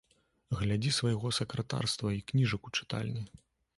Глядзі свайго сакратарства й кніжак у чытальні.